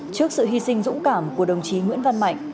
trước sự hy sinh dũng cảm của đồng chí nguyễn văn mạnh